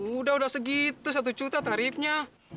udah udah segitu satu juta tarifnya